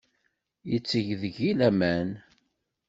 Yetteg deg-i laman.